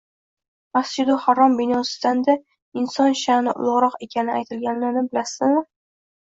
Masjid-ul Harom binosidan-da inson sha’ni ulug‘roq ekani aytilganini bilamizmi